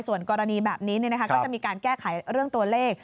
ส่วนกรณีแบบนี้ก็จะมีการแก้ไขเรื่องตัวเลข